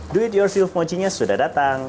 do it yourself mochinya sudah datang